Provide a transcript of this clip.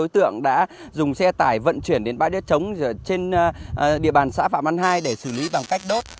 tưởng đã dùng xe tải vận chuyển đến bãi đất trống trên địa bàn xã phạm an hai để xử lý bằng cách đốt